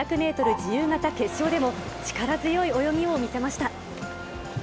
自由形決勝でも、力強い泳ぎを見せました。